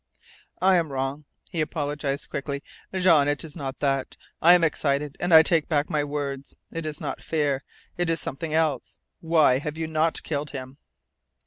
"I am wrong," he apologized quickly. "Jean, it is not that. I am excited, and I take back my words. It is not fear. It is something else. Why have you not killed him?"